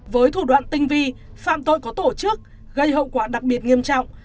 với thủ đoạn tinh vi phạm tội có tổ chức gây hậu quả đặc biệt nghiêm trọng